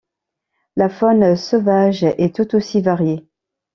La faune sauvage est tout aussi variée.